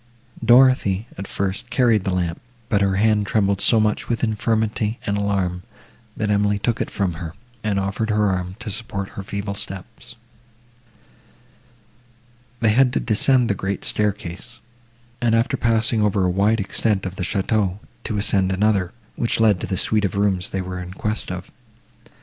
Dorothée, at first, carried the lamp, but her hand trembled so much with infirmity and alarm, that Emily took it from her, and offered her arm, to support her feeble steps. They had to descend the great staircase, and, after passing over a wide extent of the château, to ascend another, which led to the suite of rooms they were in quest of.